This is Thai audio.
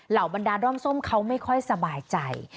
เหล่าบรรดานร่อมส้มเขาไม่ค่อยสบายใจ